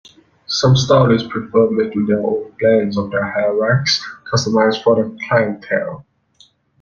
Some stylists prefer making their own blends of hair wax customized for their clientele.